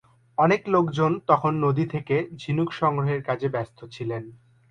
অনেক লোকজন তখন নদী থেকে ঝিনুক সংগ্রহের কাজে ব্যস্ত ছিল।